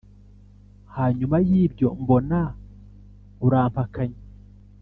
Hanyuma y ibyo mbona urampakanya